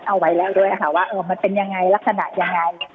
เอาไว้แล้วด้วยค่ะว่ามันเป็นยังไงลักษณะยังไง